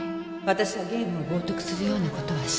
私はゲームを冒涜するようなことはしない